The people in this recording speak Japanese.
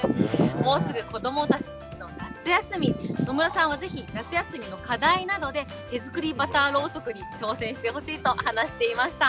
もうすぐ子どもたちの夏休み、野村さんはぜひ、夏休みの課題などで、手作りバターろうそくに挑戦してほしいと話していました。